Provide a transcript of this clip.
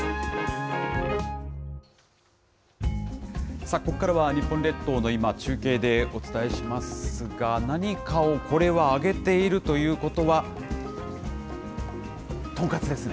さあ、ここからは日本列島の今を中継でお伝えしますが、何かをこれは揚げているということは、豚カツですね。